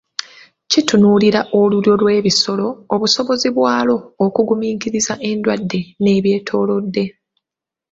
Kitunuulira olulyo lw'ebisolo, obusobozi bwalwo okugumiikiriza endwadde n'ebyetoolodde.